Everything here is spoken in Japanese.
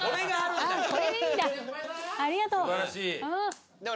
ありがとう。